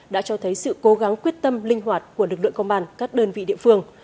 đã cho thấy sự cố gắng quyết tâm linh hoạt của lực lượng công an các đơn vị địa phương